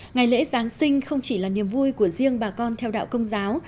ngày lễ giáng sinh không chỉ là niềm vui của riêng bà con theo đạo công giáo